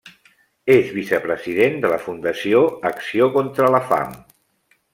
És vicepresident de la Fundació Acció contra la Fam.